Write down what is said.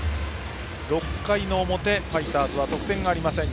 ６回の表、ファイターズは得点がありません。